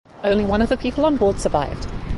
Only one of the people on board survived.